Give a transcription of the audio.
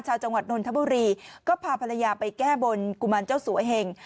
ชาวจังหวัดนนทบุรีก็พาภรรยาไปแก้บนกุมารเจ้าสัวเหง